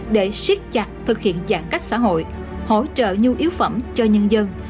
để siết chặt thực hiện giãn cách xã hội hỗ trợ nhu yếu phẩm cho nhân dân